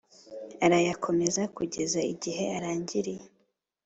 arayakomeza kugeza igihe arangiriye